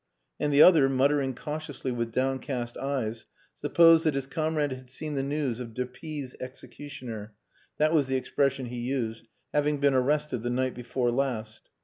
And the other, muttering cautiously with downcast eyes, supposed that his comrade had seen the news of de P 's executioner that was the expression he used having been arrested the night before last....